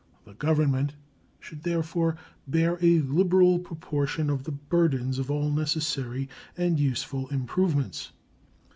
The Government should therefore bear a liberal proportion of the burdens of all necessary and useful improvements.